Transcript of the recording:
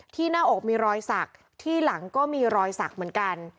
หน้าอกมีรอยสักที่หลังก็มีรอยสักเหมือนกัน